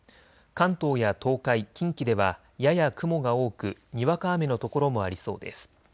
関東や東海、近畿ではやや雲が多くにわか雨の所もありそうです。